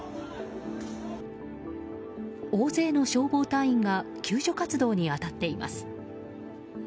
大勢の消防隊員が救助活動に当たっています。